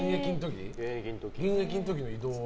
現役の時の移動は？